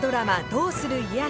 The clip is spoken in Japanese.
「どうする家康」